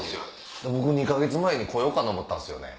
僕２か月前に来ようかと思ったんですよね。